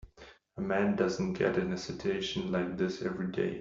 A man doesn't get in a situation like this every day.